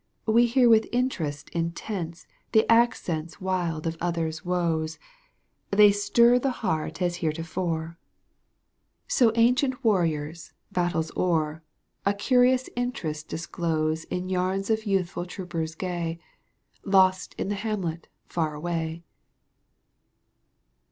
We hear with interest intense The accents wild of other's woes, Digitized by CjOOQ IC 48 EUGENE ONEGUINE. canto п. They stir the heart as heretofore. So ancient warriors, battles o'er, A curious interest disclose In yarns of youthful troopers gay, Lost in the hamlet far away.